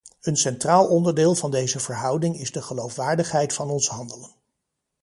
Een centraal onderdeel van deze verhouding is de geloofwaardigheid van ons handelen.